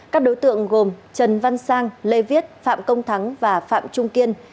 các đối tượng gồm trần văn sang lê viết phạm công thắng và phạm trung kiên